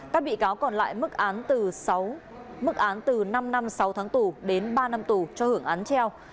các bị cáo còn lại mức án từ năm năm sáu tháng tù đến ba năm tù cho hưởng án treo